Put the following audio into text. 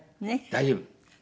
大丈夫。